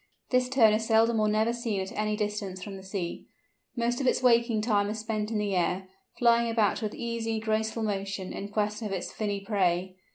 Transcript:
This Tern is seldom or never seen at any distance from the sea. Most of its waking time is spent in the air, flying about with easy, graceful motion, in quest of its finny prey.